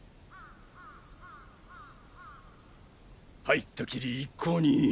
入ったきり一向に。